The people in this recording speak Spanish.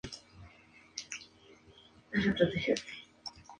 Leguía se negó tajantemente a firmar.